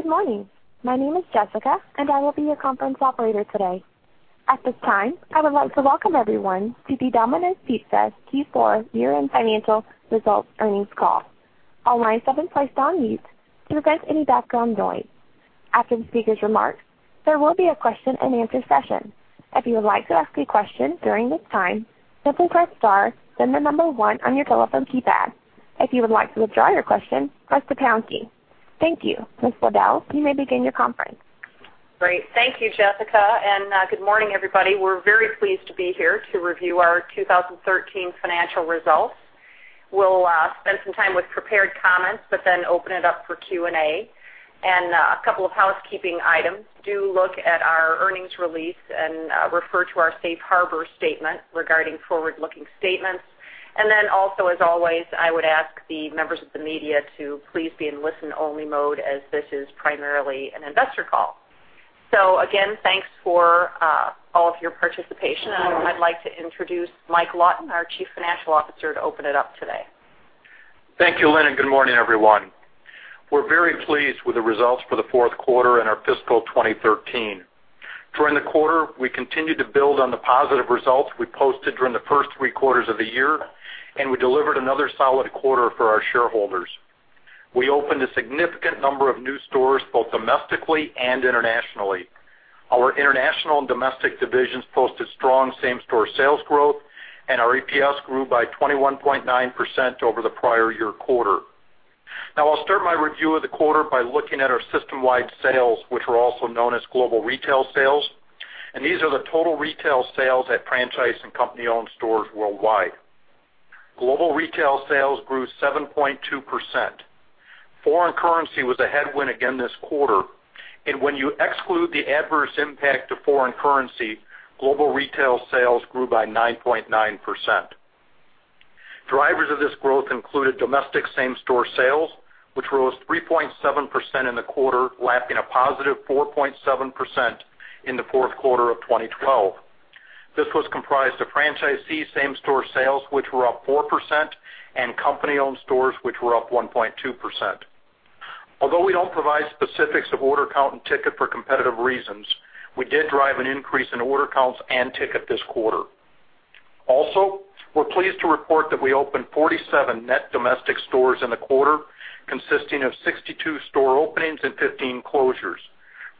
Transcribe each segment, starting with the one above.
Good morning. My name is Jessica, and I will be your conference operator today. At this time, I would like to welcome everyone to the Domino's Pizza Q4 year-end financial results earnings call. All lines have been placed on mute to prevent any background noise. After the speaker's remarks, there will be a question-and-answer session. If you would like to ask a question during this time, simply press star then the number one on your telephone keypad. If you would like to withdraw your question, press the pound key. Thank you. Ms. Liddle, you may begin your conference. Great. Thank you, Jessica, and good morning, everybody. We're very pleased to be here to review our 2013 financial results. We'll spend some time with prepared comments, but then open it up for Q&A. A couple of housekeeping items. Do look at our earnings release and refer to our safe harbor statement regarding forward-looking statements. Also, as always, I would ask the members of the media to please be in listen-only mode as this is primarily an investor call. Again, thanks for all of your participation, and I'd like to introduce Mike Lawton, our Chief Financial Officer, to open it up today. Thank you, Lynn, and good morning, everyone. We're very pleased with the results for the fourth quarter and our fiscal 2013. During the quarter, we continued to build on the positive results we posted during the first three quarters of the year, and we delivered another solid quarter for our shareholders. We opened a significant number of new stores, both domestically and internationally. Our international and domestic divisions posted strong same-store sales growth, and our EPS grew by 21.9% over the prior year quarter. I'll start my review of the quarter by looking at our system-wide sales, which are also known as global retail sales. These are the total retail sales at franchise and company-owned stores worldwide. Global retail sales grew 7.2%. Foreign currency was a headwind again this quarter, and when you exclude the adverse impact to foreign currency, global retail sales grew by 9.9%. Drivers of this growth included domestic same-store sales, which rose 3.7% in the quarter, lapping a positive 4.7% in the fourth quarter of 2012. This was comprised of franchisee same-store sales, which were up 4%, and company-owned stores, which were up 1.2%. Although we don't provide specifics of order count and ticket for competitive reasons, we did drive an increase in order counts and ticket this quarter. Also, we're pleased to report that we opened 47 net domestic stores in the quarter, consisting of 62 store openings and 15 closures.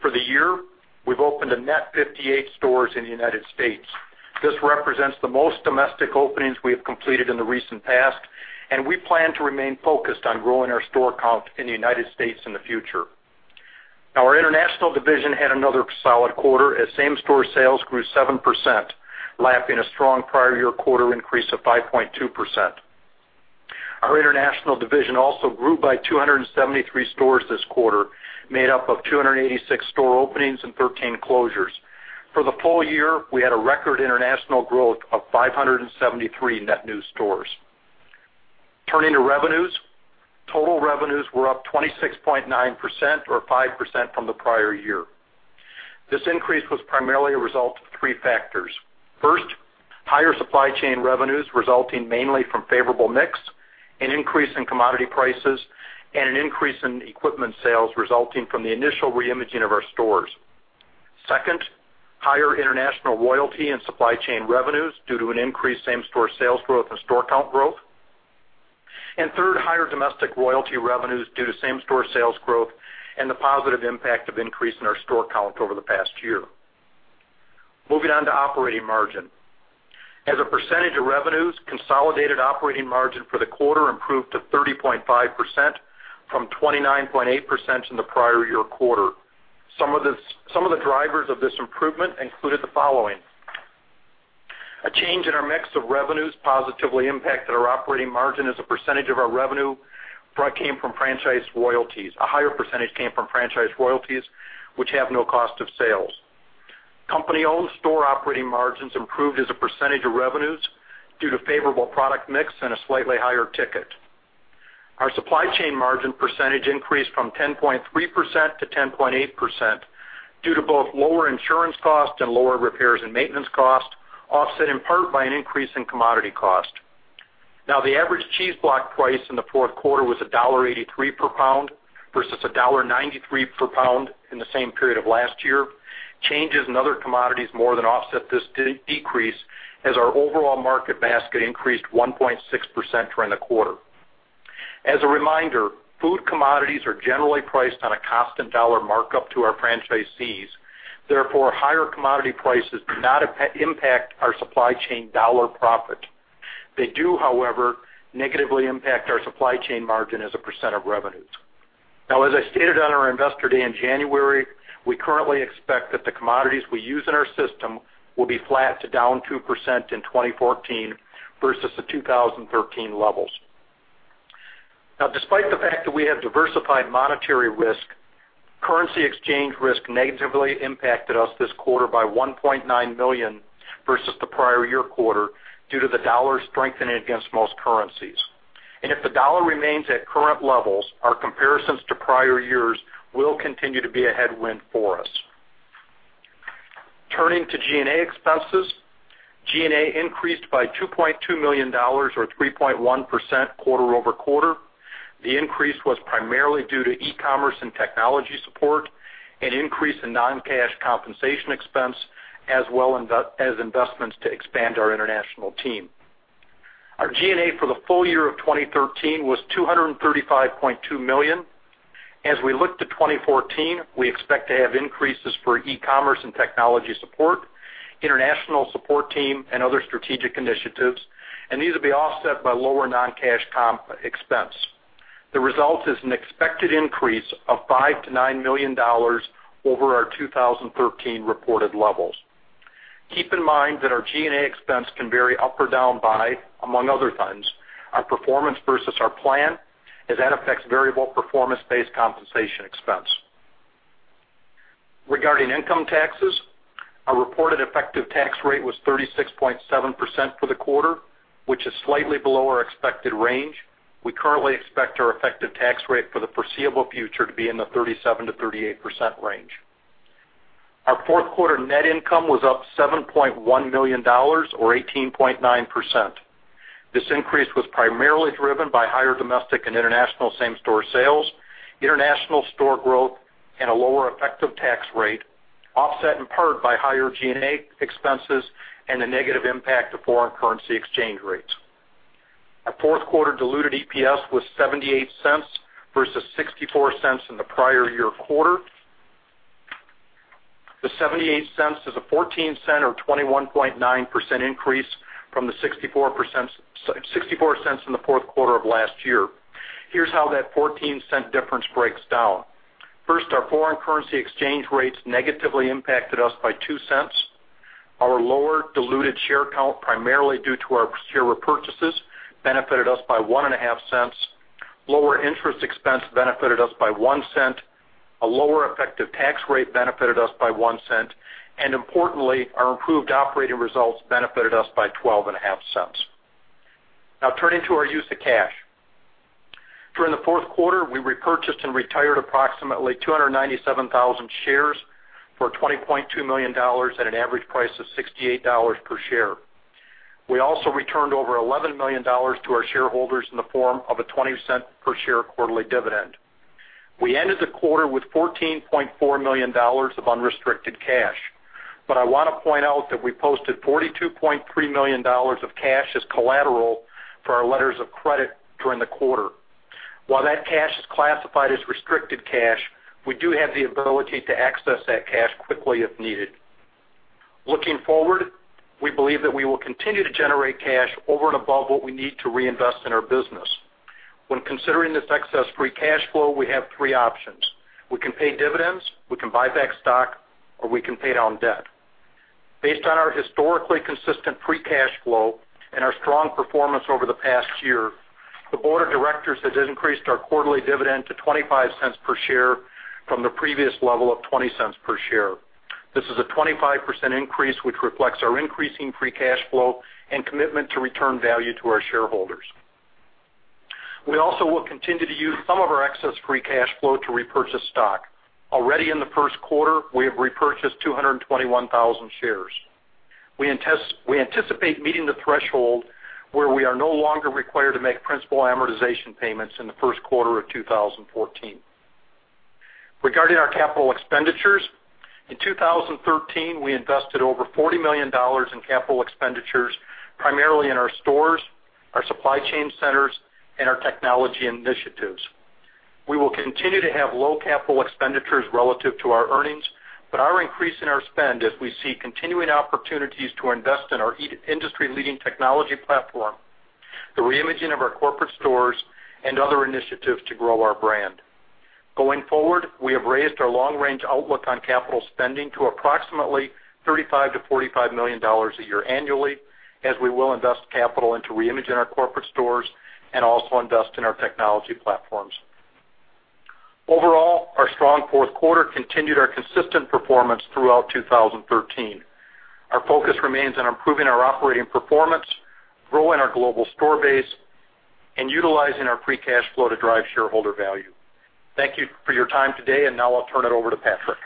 For the year, we've opened a net 58 stores in the United States. This represents the most domestic openings we have completed in the recent past, and we plan to remain focused on growing our store count in the United States in the future. Our international division had another solid quarter as same-store sales grew 7%, lapping a strong prior year quarter increase of 5.2%. Our international division also grew by 273 stores this quarter, made up of 286 store openings and 13 closures. For the full year, we had a record international growth of 573 net new stores. Turning to revenues. Total revenues were up [29.6% or 5%] from the prior year. This increase was primarily a result of three factors. First, higher supply chain revenues resulting mainly from favorable mix, an increase in commodity prices, and an increase in equipment sales resulting from the initial re-imaging of our stores. Second, higher international royalty and supply chain revenues due to an increased same-store sales growth and store count growth. Third, higher domestic royalty revenues due to same-store sales growth and the positive impact of increase in our store count over the past year. Moving on to operating margin. As a percentage of revenues, consolidated operating margin for the quarter improved to 30.5% from 29.8% in the prior year quarter. Some of the drivers of this improvement included the following. A change in our mix of revenues positively impacted our operating margin as a percentage of our revenue came from franchise royalties. A higher percentage came from franchise royalties, which have no cost of sales. Company-owned store operating margins improved as a percentage of revenues due to favorable product mix and a slightly higher ticket. Our supply chain margin percentage increased from 10.3% to 10.8% due to both lower insurance costs and lower repairs and maintenance costs, offset in part by an increase in commodity cost. The average cheese block price in the fourth quarter was $1.83 per pound versus $1.93 per pound in the same period of last year. Changes in other commodities more than offset this decrease as our overall market basket increased 1.6% during the quarter. As a reminder, food commodities are generally priced on a constant dollar markup to our franchisees. Therefore, higher commodity prices do not impact our supply chain dollar profit. They do, however, negatively impact our supply chain margin as a % of revenues. As I stated on our Investor Day in January, we currently expect that the commodities we use in our system will be flat to down 2% in 2014 versus the 2013 levels. Despite the fact that we have diversified monetary risk, currency exchange risk negatively impacted us this quarter by $1.9 million versus the prior year quarter due to the dollar strengthening against most currencies. If the dollar remains at current levels, our comparisons to prior years will continue to be a headwind for us. Turning to G&A expenses. G&A increased by $2.2 million, or 3.1% quarter-over-quarter. The increase was primarily due to e-commerce and technology support, an increase in non-cash compensation expense, as well as investments to expand our international team. Our G&A for the full year of 2013 was $235.2 million. As we look to 2014, we expect to have increases for e-commerce and technology support, international support team and other strategic initiatives, and these will be offset by lower non-cash comp expense. The result is an expected increase of $5 million-$9 million over our 2013 reported levels. Keep in mind that our G&A expense can vary up or down by, among other things, our performance versus our plan, as that affects variable performance-based compensation expense. Regarding income taxes, our reported effective tax rate was 36.7% for the quarter, which is slightly below our expected range. We currently expect our effective tax rate for the foreseeable future to be in the 37%-38% range. Our fourth quarter net income was up $7.1 million, or 18.9%. This increase was primarily driven by higher domestic and international same-store sales, international store growth and a lower effective tax rate, offset in part by higher G&A expenses and the negative impact of foreign currency exchange rates. Our fourth quarter diluted EPS was $0.78 versus $0.64 in the prior year quarter. The $0.78 is a $0.14, or 21.9%, increase from the $0.64 in the fourth quarter of last year. Here's how that $0.14 difference breaks down. First, our foreign currency exchange rates negatively impacted us by $0.02. Our lower diluted share count, primarily due to our share repurchases, benefited us by $0.015. Lower interest expense benefited us by $0.01. A lower effective tax rate benefited us by $0.01. Importantly, our improved operating results benefited us by $0.125. Turning to our use of cash. During the fourth quarter, we repurchased and retired approximately 297,000 shares for $20.2 million at an average price of $68 per share. We also returned over $11 million to our shareholders in the form of a $0.20 per share quarterly dividend. We ended the quarter with $14.4 million of unrestricted cash. I want to point out that we posted $42.3 million of cash as collateral for our letters of credit during the quarter. While that cash is classified as restricted cash, we do have the ability to access that cash quickly if needed. Looking forward, we believe that we will continue to generate cash over and above what we need to reinvest in our business. When considering this excess free cash flow, we have three options. We can pay dividends, we can buy back stock, or we can pay down debt. Based on our historically consistent free cash flow and our strong performance over the past year, the board of directors has increased our quarterly dividend to $0.25 per share from the previous level of $0.20 per share. This is a 25% increase, which reflects our increasing free cash flow and commitment to return value to our shareholders. We also will continue to use some of our excess free cash flow to repurchase stock. Already in the first quarter, we have repurchased 221,000 shares. We anticipate meeting the threshold where we are no longer required to make principal amortization payments in the first quarter of 2014. Regarding our CapEx, in 2013, we invested over $40 million in CapEx, primarily in our stores, our supply chain centers, and our technology initiatives. We will continue to have low CapEx relative to our earnings, but are increasing our spend as we see continuing opportunities to invest in our industry-leading technology platform, the reimaging of our corporate stores, and other initiatives to grow our brand. Going forward, we have raised our long-range outlook on capital spending to approximately $35 million-$45 million a year annually, as we will invest capital into reimaging our corporate stores and also invest in our technology platforms. Overall, our strong fourth quarter continued our consistent performance throughout 2013. Our focus remains on improving our operating performance, growing our global store base, and utilizing our free cash flow to drive shareholder value. Thank you for your time today, and now I'll turn it over to Patrick.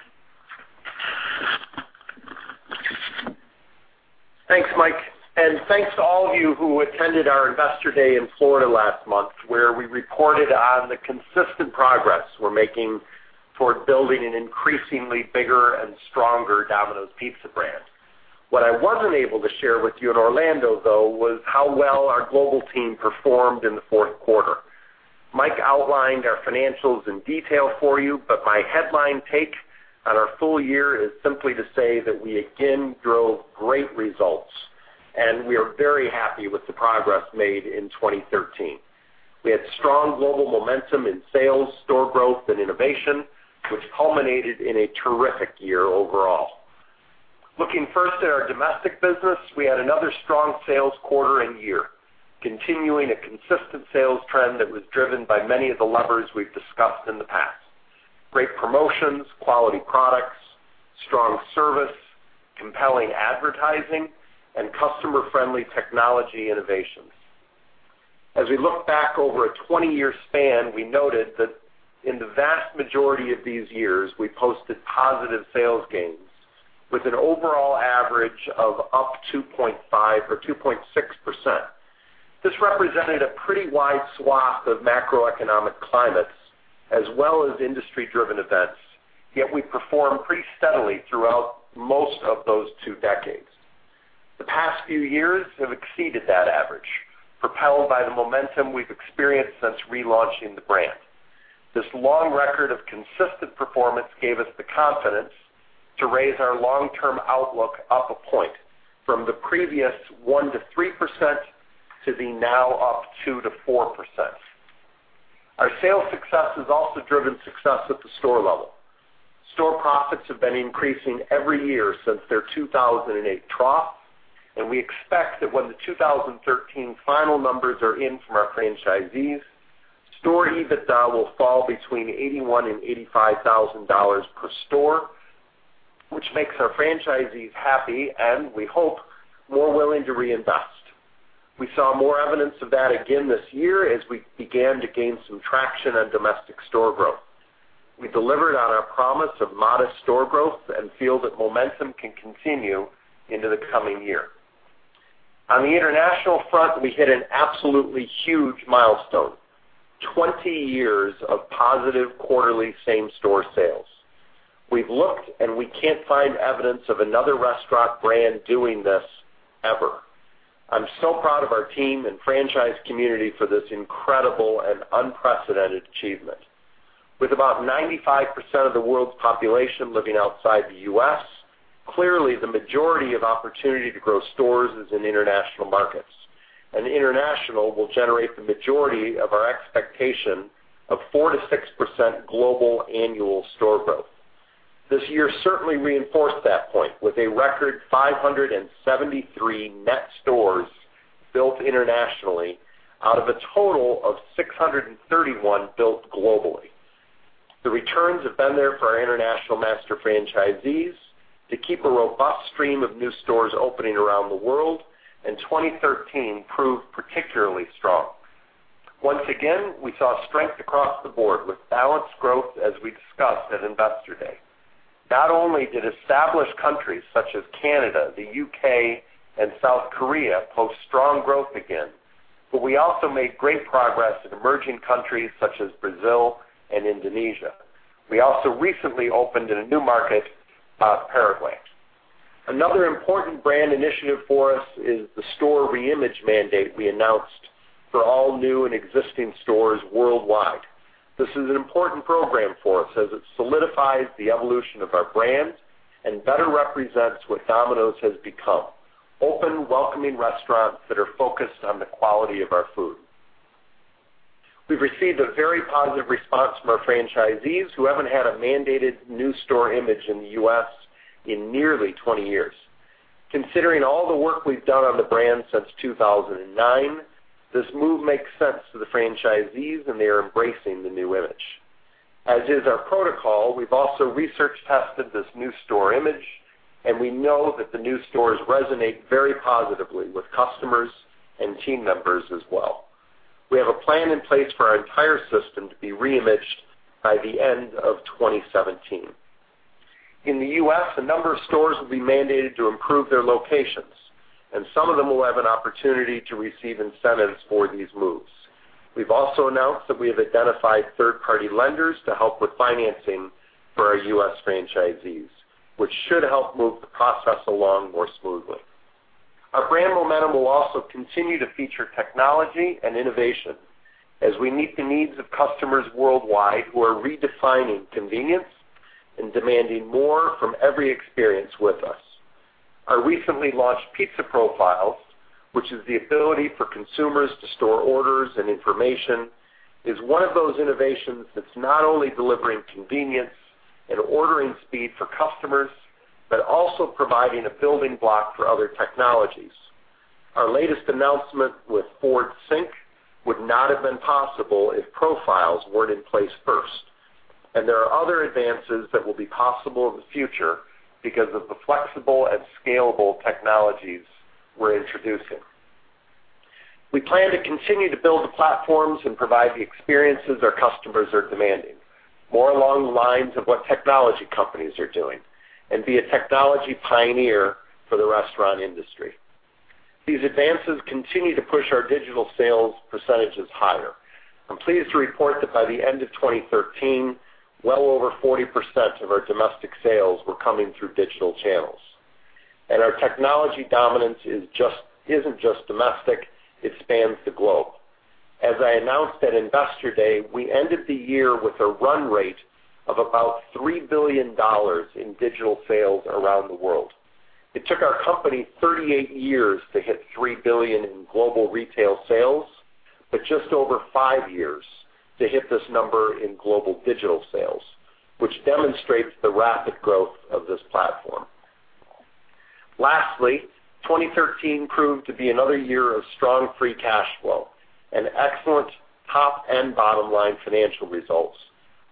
Thanks, Mike. Thanks to all of you who attended our Investor Day in Florida last month, where we reported on the consistent progress we're making toward building an increasingly bigger and stronger Domino's Pizza brand. What I wasn't able to share with you in Orlando, though, was how well our global team performed in the fourth quarter. Mike outlined our financials in detail for you, but my headline take on our full year is simply to say that we again drove great results, and we are very happy with the progress made in 2013. We had strong global momentum in sales, store growth and innovation, which culminated in a terrific year overall. Looking first at our domestic business, we had another strong sales quarter and year, continuing a consistent sales trend that was driven by many of the levers we've discussed in the past: great promotions, quality products, strong service, compelling advertising, and customer-friendly technology innovations. As we look back over a 20-year span, we noted that in the vast majority of these years, we posted positive sales gains with an overall average of up 2.5 or 2.6%. This represented a pretty wide swath of macroeconomic climates as well as industry-driven events, yet we performed pretty steadily throughout most of those two decades. The past few years have exceeded that average, propelled by the momentum we've experienced since relaunching the brand. This long record of consistent performance gave us the confidence to raise our long-term outlook up a point from the previous 1%-3% to the now up 2%-4%. Our sales success has also driven success at the store level. Store profits have been increasing every year since their 2008 trough. We expect that when the 2013 final numbers are in from our franchisees, store EBITDA will fall between $81,000-$85,000 per store, which makes our franchisees happy and, we hope, more willing to reinvest. We saw more evidence of that again this year as we began to gain some traction on domestic store growth. We delivered on our promise of modest store growth and feel that momentum can continue into the coming year. On the international front, we hit an absolutely huge milestone: 20 years of positive quarterly same-store sales. We've looked. We can't find evidence of another restaurant brand doing this ever. I'm so proud of our team and franchise community for this incredible and unprecedented achievement. With about 95% of the world's population living outside the U.S., clearly the majority of opportunity to grow stores is in international markets. International will generate the majority of our expectation of 4%-6% global annual store growth. This year certainly reinforced that point with a record 573 net stores built internationally out of a total of 631 built globally. The returns have been there for our international master franchisees to keep a robust stream of new stores opening around the world, 2013 proved particularly strong. Once again, we saw strength across the board with balanced growth as we discussed at Investor Day. Not only did established countries such as Canada, the U.K., and South Korea post strong growth again, we also made great progress in emerging countries such as Brazil and Indonesia. We also recently opened in a new market, Paraguay. Another important brand initiative for us is the store reimage mandate we announced for all new and existing stores worldwide. This is an important program for us as it solidifies the evolution of our brand and better represents what Domino's has become: open, welcoming restaurants that are focused on the quality of our food. We've received a very positive response from our franchisees who haven't had a mandated new store image in the U.S. in nearly 20 years. Considering all the work we've done on the brand since 2009, this move makes sense to the franchisees, they are embracing the new image. As is our protocol, we've also research-tested this new store image, we know that the new stores resonate very positively with customers and team members as well. We have a plan in place for our entire system to be reimaged by the end of 2017. In the U.S., a number of stores will be mandated to improve their locations, some of them will have an opportunity to receive incentives for these moves. We've also announced that we have identified third-party lenders to help with financing for our U.S. franchisees, which should help move the process along more smoothly. Our brand momentum will also continue to feature technology and innovation as we meet the needs of customers worldwide who are redefining convenience and demanding more from every experience with us. Our recently launched Pizza Profiles, which is the ability for consumers to store orders and information, is one of those innovations that's not only delivering convenience and ordering speed for customers but also providing a building block for other technologies. Our latest announcement with Ford SYNC would not have been possible if Profiles weren't in place first, there are other advances that will be possible in the future because of the flexible and scalable technologies we're introducing. We plan to continue to build the platforms and provide the experiences our customers are demanding, more along the lines of what technology companies are doing, be a technology pioneer for the restaurant industry. These advances continue to push our digital sales percentages higher. I'm pleased to report that by the end of 2013, well over 40% of our domestic sales were coming through digital channels. Our technology dominance isn't just domestic, it spans the globe. As I announced at Investor Day, we ended the year with a run rate of about $3 billion in digital sales around the world. It took our company 38 years to hit $3 billion in global retail sales, but just over five years to hit this number in global digital sales, which demonstrates the rapid growth of this platform. Lastly, 2013 proved to be another year of strong free cash flow and excellent top and bottom-line financial results,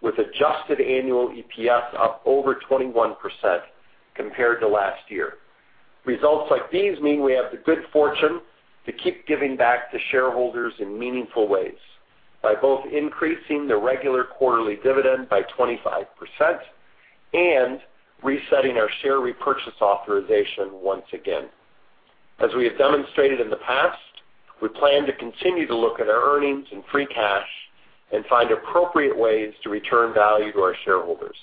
with adjusted annual EPS up over 21% compared to last year. Results like these mean we have the good fortune to keep giving back to shareholders in meaningful ways by both increasing the regular quarterly dividend by 25% and resetting our share repurchase authorization once again. As we have demonstrated in the past, we plan to continue to look at our earnings and free cash and find appropriate ways to return value to our shareholders.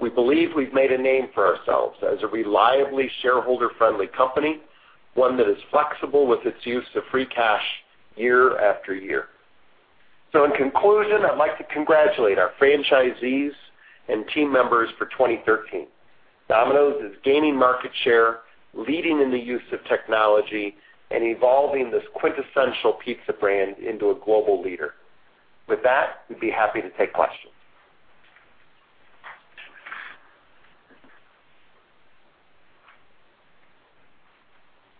We believe we've made a name for ourselves as a reliably shareholder-friendly company, one that is flexible with its use of free cash year after year. In conclusion, I'd like to congratulate our franchisees and team members for 2013. Domino's is gaining market share, leading in the use of technology, and evolving this quintessential pizza brand into a global leader. With that, we'd be happy to take questions.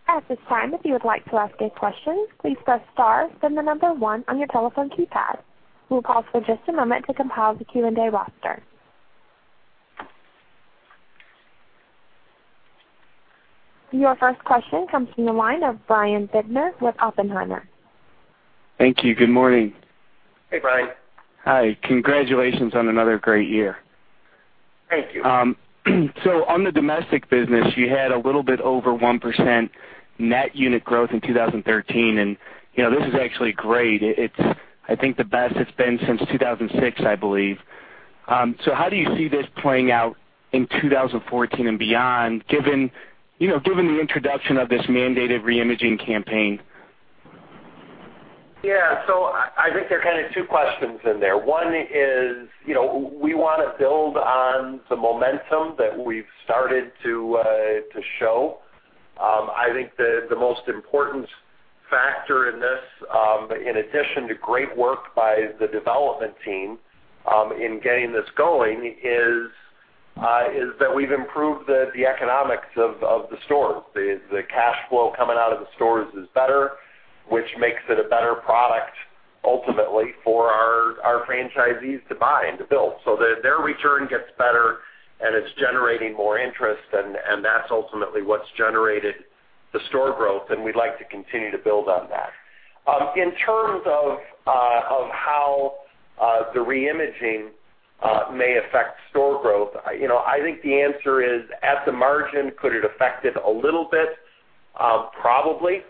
At this time, if you would like to ask a question, please press star, then the number one on your telephone keypad. We will pause for just a moment to compile the Q&A roster. Your first question comes from the line of Brian Bittner with Oppenheimer. Thank you. Good morning. Hey, Brian. Hi. Congratulations on another great year. Thank you. On the domestic business, you had a little bit over 1% net unit growth in 2013, and this is actually great. It's, I think, the best it's been since 2006, I believe. How do you see this playing out in 2014 and beyond, given the introduction of this mandated re-imaging campaign? Yeah. I think there are kind of two questions in there. One is, we want to build on the momentum that we've started to show. I think the most important factor in this, in addition to great work by the development team in getting this going, is that we've improved the economics of the stores. The cash flow coming out of the stores is better, which makes it a better product, ultimately, for our franchisees to buy and to build. Their return gets better, and it's generating more interest, and that's ultimately what's generated the store growth, and we'd like to continue to build on that. In terms of how the re-imaging may affect store growth, I think the answer is at the margin. Could it affect it a little bit? Probably.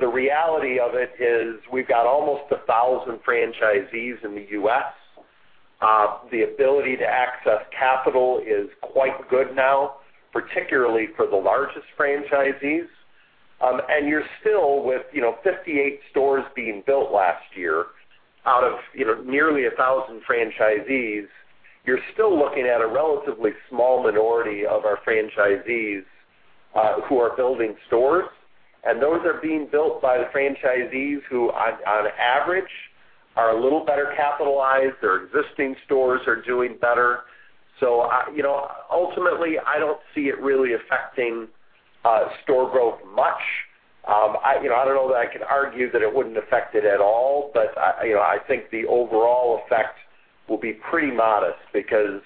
The reality of it is, we've got almost 1,000 franchisees in the U.S. The ability to access capital is quite good now, particularly for the largest franchisees. You're still with 58 stores being built last year out of nearly 1,000 franchisees. You're still looking at a relatively small minority of our franchisees who are building stores, and those are being built by the franchisees who, on average, are a little better capitalized. Their existing stores are doing better. Ultimately, I don't see it really affecting store growth much. I don't know that I can argue that it wouldn't affect it at all, but I think the overall effect will be pretty modest because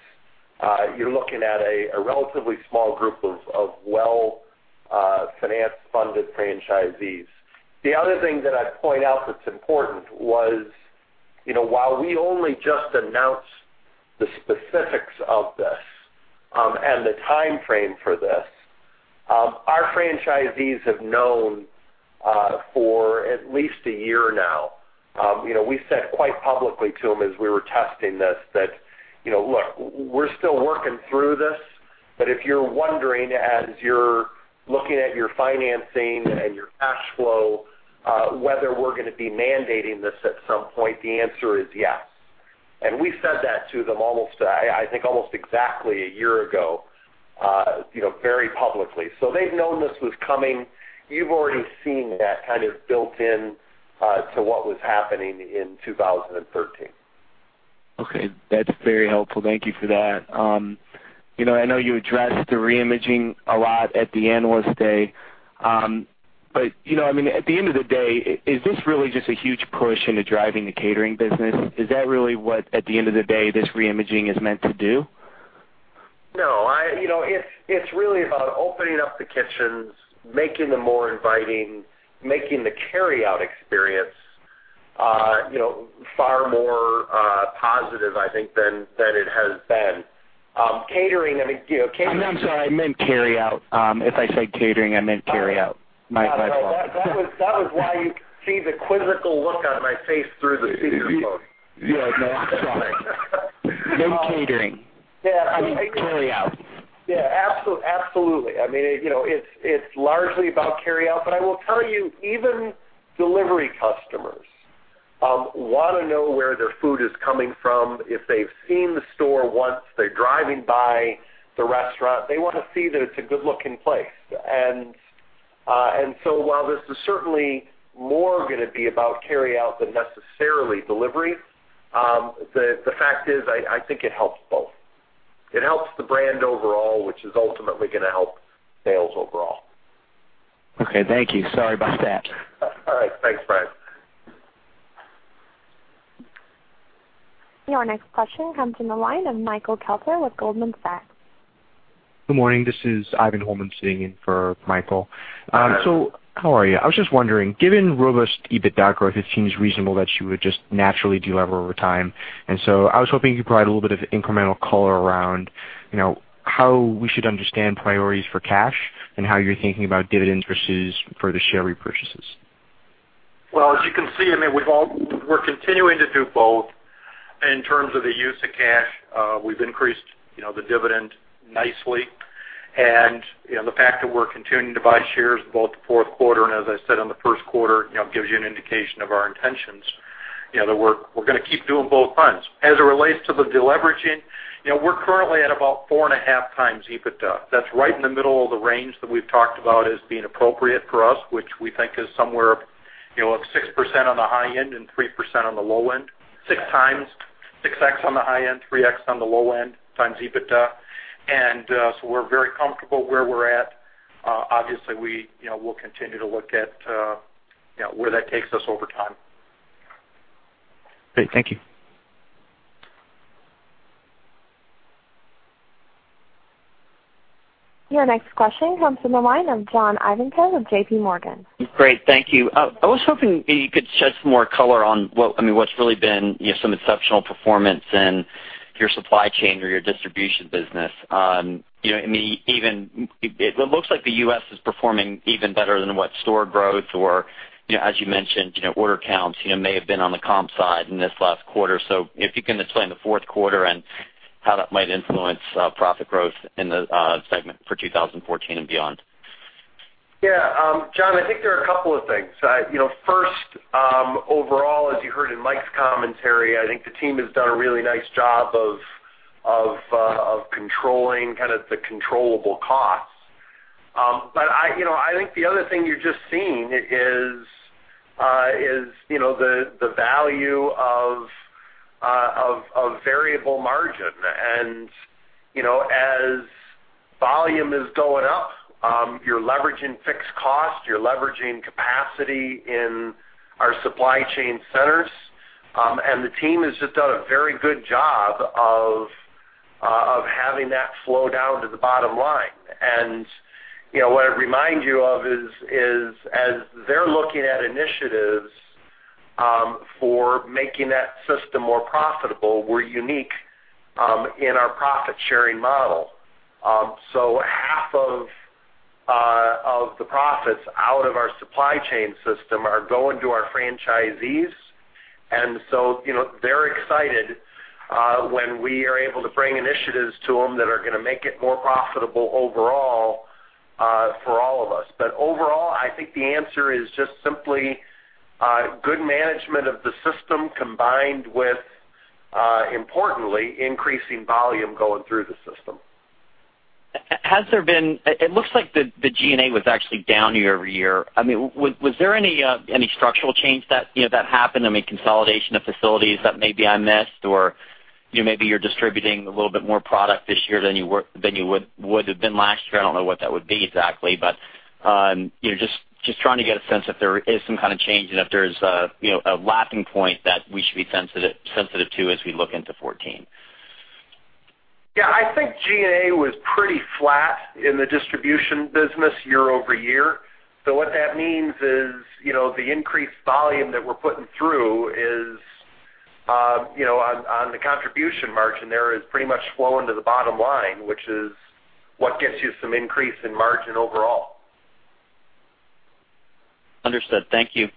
you're looking at a relatively small group of well finance-funded franchisees. The other thing that I'd point out that's important was, while we only just announced the specifics of this and the timeframe for this, our franchisees have known for at least a year now. We've said quite publicly to them as we were testing this that, "Look, we're still working through this, but if you're wondering, as you're looking at your financing and your cash flow, whether we're going to be mandating this at some point, the answer is yes." We said that to them I think almost exactly a year ago very publicly. They've known this was coming. You've already seen that kind of built in to what was happening in 2013. Okay. That's very helpful. Thank you for that. I know you addressed the re-imaging a lot at the Analyst Day. At the end of the day, is this really just a huge push into driving the catering business? Is that really what, at the end of the day, this re-imaging is meant to do? No. It's really about opening up the kitchens, making them more inviting, making the carryout experience far more positive, I think, than it has been. Catering, I mean- I'm sorry. I meant carryout. If I said catering, I meant carryout. My bad. That was why you see the quizzical look on my face through the speakerphone. Yeah. No, I'm sorry. No catering. Yeah. I mean, carryout. Yeah. Absolutely. It's largely about carryout, but I will tell you, even delivery customers want to know where their food is coming from. If they've seen the store once, they're driving by the restaurant, they want to see that it's a good-looking place. While this is certainly more going to be about carryout than necessarily delivery, the fact is, I think it helps both. It helps the brand overall, which is ultimately going to help sales overall. Okay. Thank you. Sorry about that. All right. Thanks, Brian. Your next question comes from the line of Michael Kelter with Goldman Sachs. Good morning. This is Ivan Holman sitting in for Michael. Hi. How are you? I was just wondering, given robust EBITDA growth, it seems reasonable that you would just naturally delever over time. I was hoping you could provide a little bit of incremental color around how we should understand priorities for cash and how you're thinking about dividends versus further share repurchases. Well, as you can see, we're continuing to do both in terms of the use of cash. We've increased the dividend nicely. The fact that we're continuing to buy shares in both the fourth quarter and, as I said, in the first quarter, gives you an indication of our intentions, that we're going to keep doing both funds. As it relates to the deleveraging, we're currently at about 4.5 times EBITDA. That's right in the middle of the range that we've talked about as being appropriate for us, which we think is somewhere of 6% on the high end and 3% on the low end, 6X on the high end, 3X on the low end, times EBITDA. We're very comfortable where we're at. Obviously, we'll continue to look at where that takes us over time. Great. Thank you. Your next question comes from the line of John Ivankoe of JPMorgan. Great. Thank you. I was hoping you could shed some more color on what's really been some exceptional performance in your supply chain or your distribution business. It looks like the U.S. is performing even better than what store growth or, as you mentioned, order counts may have been on the comp side in this last quarter. If you can explain the fourth quarter and how that might influence profit growth in the segment for 2014 and beyond. Yeah. John, I think there are a couple of things. First, overall, as you heard in Mike's commentary, I think the team has done a really nice job of controlling the controllable costs. I think the other thing you're just seeing is the value of variable margin. As volume is going up, you're leveraging fixed cost, you're leveraging capacity in our supply chain centers. The team has just done a very good job of having that flow down to the bottom line. What I remind you of is, as they're looking at initiatives for making that system more profitable, we're unique in our profit-sharing model. Half of the profits out of our supply chain system are going to our franchisees. They are excited when we are able to bring initiatives to them that are going to make it more profitable overall for all of us. Overall, I think the answer is just simply good management of the system combined with, importantly, increasing volume going through the system. It looks like the G&A was actually down year-over-year. Was there any structural change that happened, consolidation of facilities that maybe I missed? Maybe you're distributing a little bit more product this year than you would have been last year. I don't know what that would be exactly, but just trying to get a sense if there is some kind of change and if there's a lacking point that we should be sensitive to as we look into 2014. Yeah, I think G&A was pretty flat in the distribution business year-over-year. What that means is the increased volume that we're putting through on the contribution margin there has pretty much flowed into the bottom line, which is what gets you some increase in margin overall. Understood. Thank you.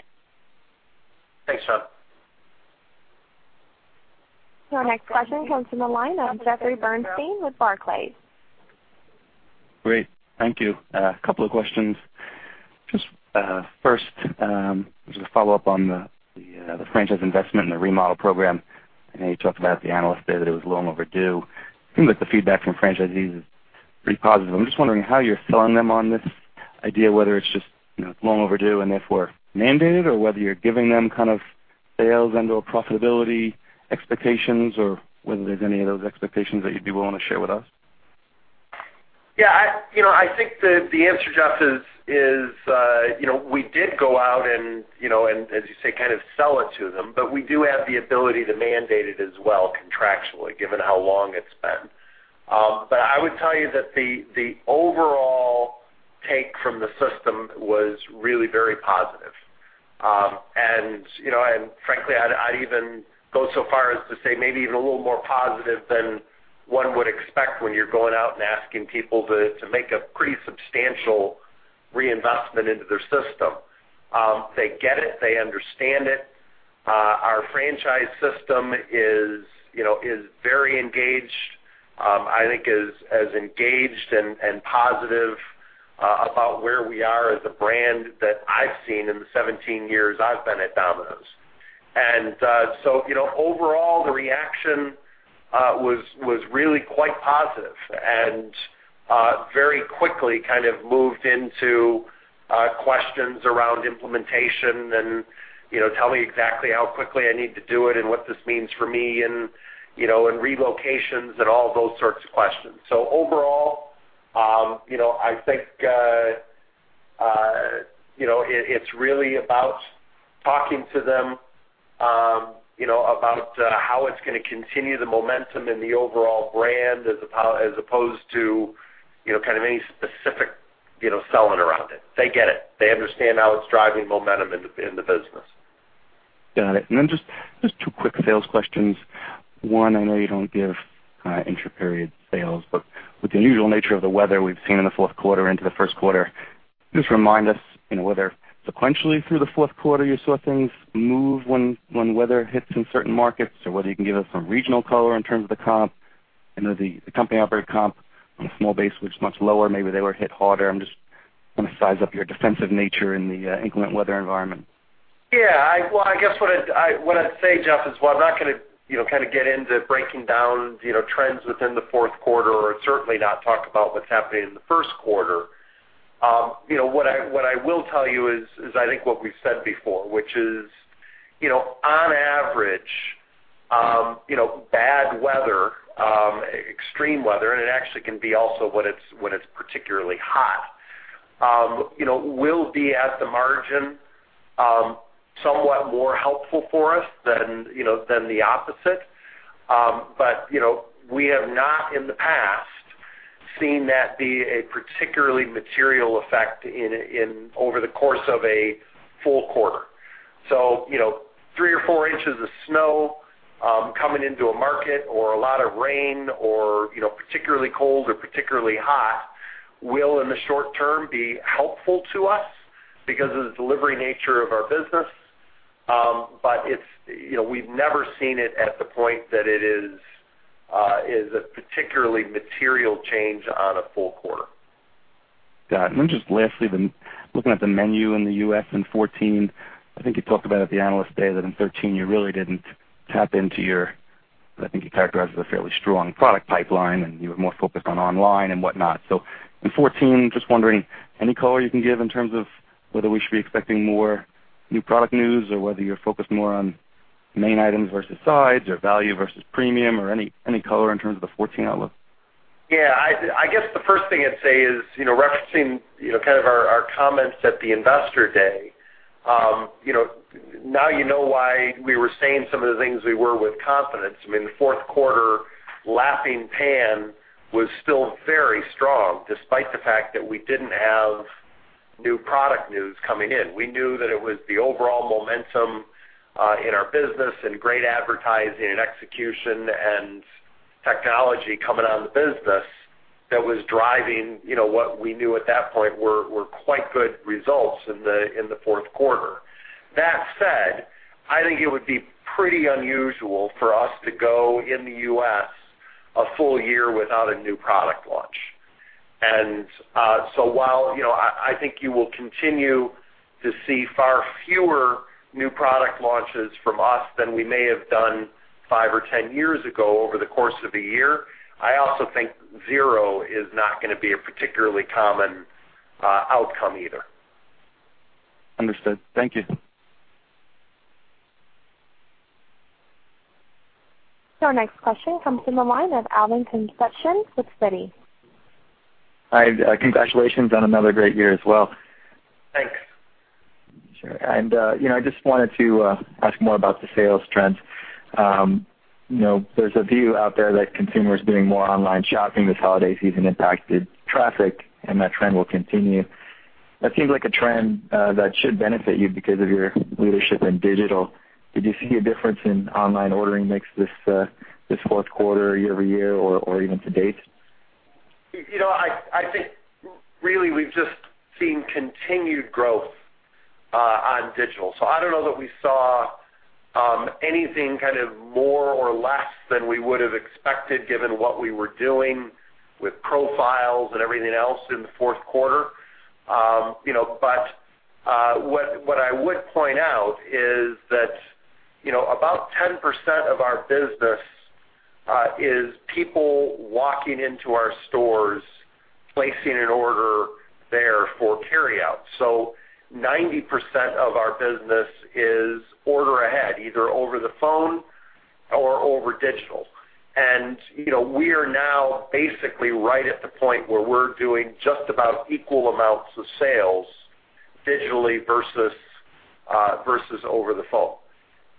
Thanks, John. Your next question comes from the line of Jeffrey Bernstein with Barclays. Great. Thank you. A couple of questions. Just first, just a follow-up on the franchise investment and the remodel program. I know you talked about at the Analyst Day that it was long overdue. It seems like the feedback from franchisees is pretty positive. I'm just wondering how you're selling them on this idea, whether it's just long overdue and therefore mandated, or whether you're giving them kind of sales and/or profitability expectations, or whether there's any of those expectations that you'd be willing to share with us. Yeah. I think the answer, Jeff, is we did go out and, as you say, kind of sell it to them, but we do have the ability to mandate it as well contractually, given how long it's been. I would tell you that the overall take from the system was really very positive. Frankly, I'd even go so far as to say maybe even a little more positive than one would expect when you're going out and asking people to make a pretty substantial reinvestment into their system. They get it. They understand it. Our franchise system is very engaged, I think as engaged and positive about where we are as a brand that I've seen in the 17 years I've been at Domino's. Overall, the reaction was really quite positive and very quickly kind of moved into questions around implementation and, "Tell me exactly how quickly I need to do it and what this means for me in relocations," and all those sorts of questions. Overall, I think It's really about talking to them about how it's going to continue the momentum in the overall brand as opposed to any specific selling around it. They get it. They understand how it's driving momentum in the business. Got it. Just two quick sales questions. One, I know you don't give intra-period sales, but with the unusual nature of the weather we've seen in the fourth quarter into the first quarter, just remind us whether sequentially through the fourth quarter you saw things move when weather hits in certain markets or whether you can give us some regional color in terms of the comp. I know the company-operated comp on a small base was much lower. Maybe they were hit harder. I'm just trying to size up your defensive nature in the inclement weather environment. Yeah. Well, I guess what I'd say, Jeff, is while I'm not going to get into breaking down trends within the fourth quarter or certainly not talk about what's happening in the first quarter, what I will tell you is I think what we've said before, which is, on average, bad weather, extreme weather, and it actually can be also when it's particularly hot, will be at the margin somewhat more helpful for us than the opposite. We have not, in the past, seen that be a particularly material effect over the course of a full quarter. Three or four inches of snow coming into a market or a lot of rain or particularly cold or particularly hot will, in the short term, be helpful to us because of the delivery nature of our business. We've never seen it at the point that it is a particularly material change on a full quarter. Got it. Then just lastly, looking at the menu in the U.S. in 2014, I think you talked about at the Analyst Day that in 2013 you really didn't tap into your, I think you characterized it as a fairly strong product pipeline, and you were more focused on online and whatnot. In 2014, just wondering, any color you can give in terms of whether we should be expecting more new product news or whether you're focused more on main items versus sides or value versus premium or any color in terms of the 2014 outlook? Yeah. I guess the first thing I'd say is referencing our comments at the Investor Day. You know why we were saying some of the things we were with confidence. I mean, the fourth quarter lapping pan was still very strong, despite the fact that we didn't have new product news coming in. We knew that it was the overall momentum in our business and great advertising and execution and technology coming out of the business that was driving what we knew at that point were quite good results in the fourth quarter. That said, I think it would be pretty unusual for us to go in the U.S. a full year without a new product launch. While I think you will continue to see far fewer new product launches from us than we may have done five or 10 years ago over the course of a year, I also think zero is not going to be a particularly common outcome either. Understood. Thank you. Our next question comes from the line of Alvin Concepcion with Citi. Hi, congratulations on another great year as well. Thanks. Sure. I just wanted to ask more about the sales trends. There's a view out there that consumers doing more online shopping this holiday season impacted traffic, and that trend will continue. That seems like a trend that should benefit you because of your leadership in digital. Did you see a difference in online ordering mix this fourth quarter year-over-year or even to date? I think really we've just seen continued growth on digital. I don't know that we saw anything more or less than we would have expected given what we were doing with Pizza Profiles and everything else in the fourth quarter. What I would point out is that about 10% of our business is people walking into our stores, placing an order there for carryout. 90% of our business is order ahead, either over the phone or over digital. We are now basically right at the point where we're doing just about equal amounts of sales digitally versus over the phone.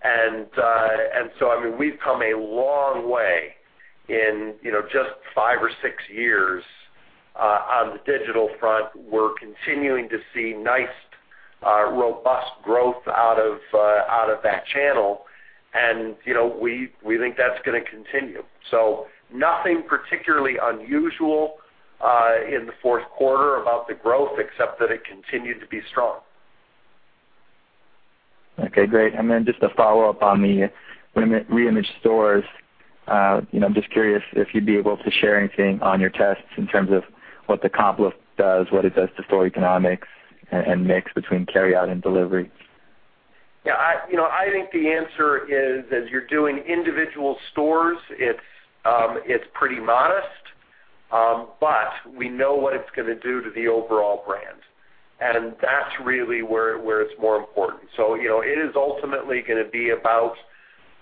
I mean, we've come a long way in just five or six years on the digital front. We're continuing to see nice, robust growth out of that channel, and we think that's going to continue. Nothing particularly unusual in the fourth quarter about the growth, except that it continued to be strong. Okay, great. Just a follow-up on the reimage stores. I'm just curious if you'd be able to share anything on your tests in terms of what the comp lift does, what it does to store economics, and mix between carryout and delivery. Yeah. I think the answer is as you're doing individual stores, it's pretty modest. We know what it's going to do to the overall brand, and that's really where it's more important. It is ultimately going to be about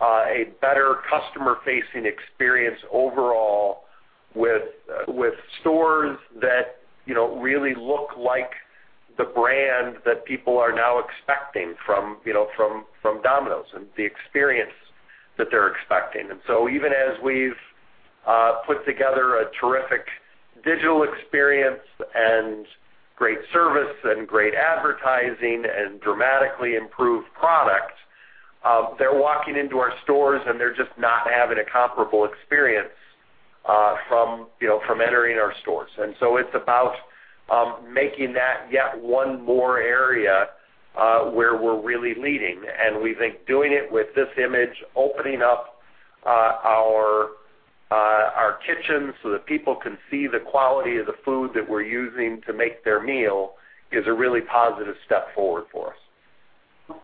a better customer-facing experience overall With stores that really look like the brand that people are now expecting from Domino's, and the experience that they're expecting. Even as we've put together a terrific digital experience and great service and great advertising and dramatically improved product, they're walking into our stores, and they're just not having a comparable experience from entering our stores. It's about making that yet one more area where we're really leading. We think doing it with this image, opening up our kitchen so that people can see the quality of the food that we're using to make their meal is a really positive step forward for us.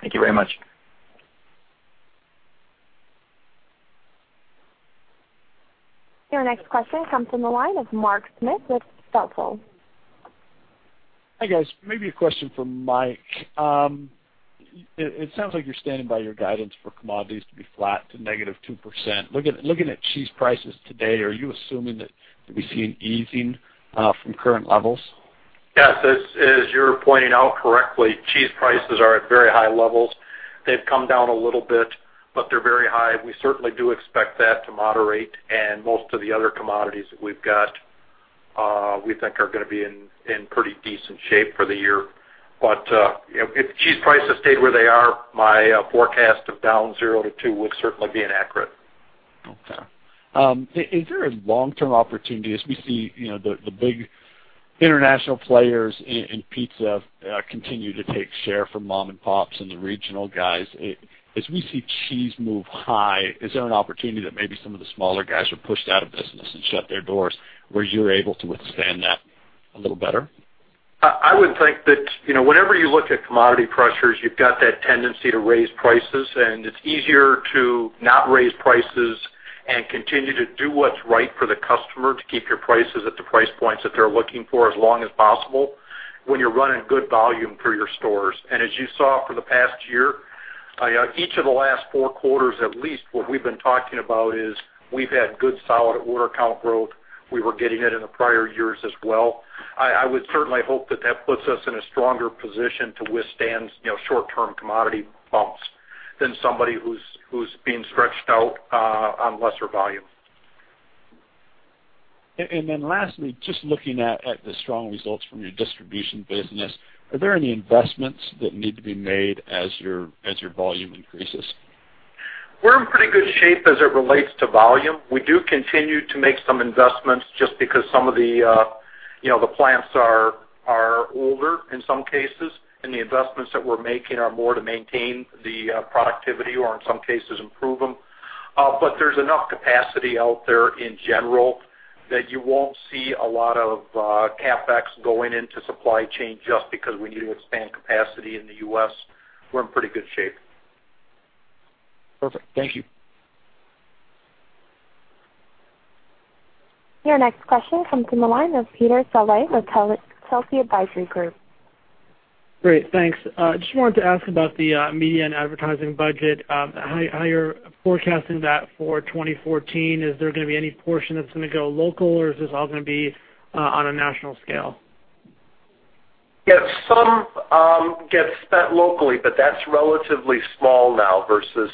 Thank you very much. Your next question comes from the line of Mark Smith with Stifel. Hi, guys. Maybe a question for Mike. It sounds like you're standing by your guidance for commodities to be flat to negative 2%. Looking at cheese prices today, are you assuming that we see an easing from current levels? Yes, as you're pointing out correctly, cheese prices are at very high levels. They've come down a little bit, but they're very high. We certainly do expect that to moderate, and most of the other commodities that we've got, we think are going to be in pretty decent shape for the year. If cheese prices stayed where they are, my forecast of down zero to two would certainly be inaccurate. Okay. Is there a long-term opportunity as we see the big international players in pizza continue to take share from mom and pops and the regional guys? As we see cheese move high, is there an opportunity that maybe some of the smaller guys are pushed out of business and shut their doors, where you're able to withstand that a little better? I would think that, whenever you look at commodity pressures, you've got that tendency to raise prices, and it's easier to not raise prices and continue to do what's right for the customer to keep your prices at the price points that they're looking for as long as possible when you're running good volume through your stores. As you saw for the past year, each of the last four quarters, at least what we've been talking about is we've had good solid order count growth. We were getting it in the prior years as well. I would certainly hope that that puts us in a stronger position to withstand short-term commodity bumps than somebody who's being stretched out on lesser volume. Lastly, just looking at the strong results from your distribution business, are there any investments that need to be made as your volume increases? We're in pretty good shape as it relates to volume. We do continue to make some investments just because some of the plants are older in some cases, and the investments that we're making are more to maintain the productivity or in some cases improve them. There's enough capacity out there in general that you won't see a lot of CapEx going into supply chain just because we need to expand capacity in the U.S. We're in pretty good shape. Perfect. Thank you. Your next question comes from the line of Peter Saleh with Telsey Advisory Group. Great. Thanks. Just wanted to ask about the media and advertising budget, how you're forecasting that for 2014. Is there going to be any portion that's going to go local, or is this all going to be on a national scale? Yes, some gets spent locally, but that's relatively small now versus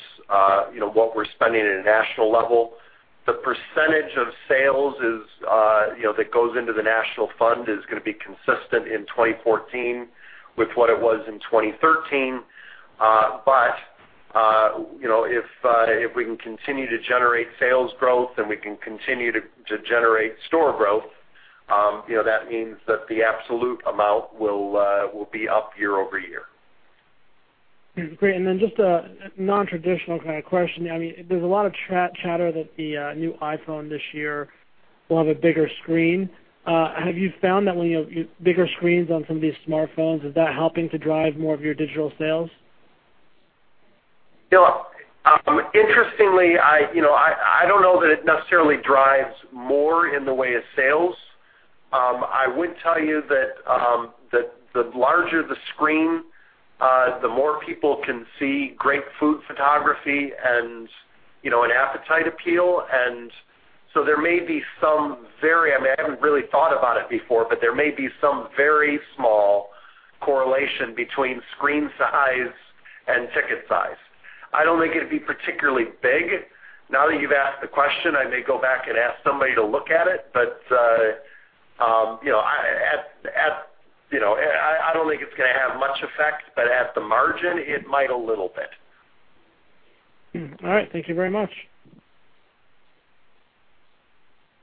what we're spending at a national level. The percentage of sales that goes into the national fund is going to be consistent in 2014 with what it was in 2013. If we can continue to generate sales growth and we can continue to generate store growth, that means that the absolute amount will be up year-over-year. Great. Just a non-traditional kind of question. There's a lot of chatter that the new iPhone this year will have a bigger screen. Have you found that when you have bigger screens on some of these smartphones, is that helping to drive more of your digital sales? Interestingly, I don't know that it necessarily drives more in the way of sales. I would tell you that the larger the screen, the more people can see great food photography and an appetite appeal. There may be some very small correlation between screen size and ticket size. I don't think it'd be particularly big. Now that you've asked the question, I may go back and ask somebody to look at it. I don't think it's going to have much effect, but at the margin, it might a little bit. All right. Thank you very much.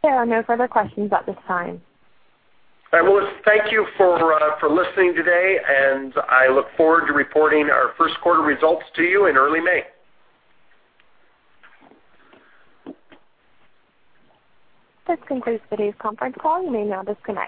There are no further questions at this time. All right. Well, thank you for listening today, and I look forward to reporting our first quarter results to you in early May. This concludes today's conference call. You may now disconnect.